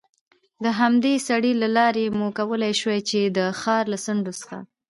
د همدې سړک له لارې مو کولای شوای، چې د ښار له څنډو څخه.